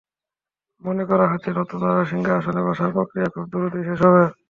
মনে করা হচ্ছে, নতুন রাজার সিংহাসনে বসার প্রক্রিয়া খুব দ্রুতই শেষ হবে।